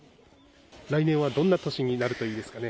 来年はどんな年になるといいですかね。